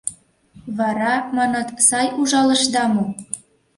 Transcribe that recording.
— Вара, маныт, сай ужалышда мо?